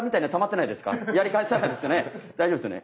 大丈夫ですよね？